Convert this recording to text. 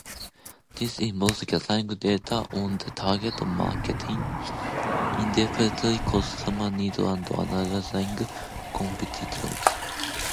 This involves gathering data on the target market, identifying customer needs, and analyzing competitors.